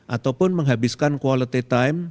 ataupun menghabiskan quality time